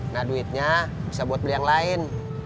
nah duitnya bisa buat beli yang lain